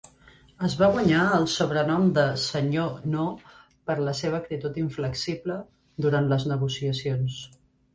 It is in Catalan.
Es va guanyar el sobrenom de "Sr. No" per la seva actitud inflexible durant les negociacions.